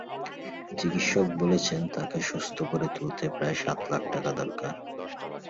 চিকিৎসক বলেছেন, তাকে সুস্থ করে তুলতে প্রায় সাত লাখ টাকা দরকার।